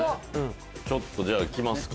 ちょっとじゃあ着ますか？